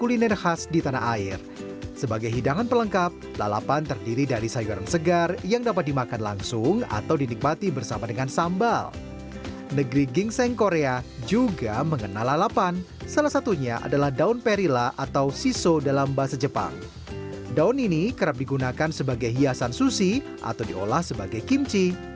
ia diolah sebagai hiasan susi atau diolah sebagai kimchi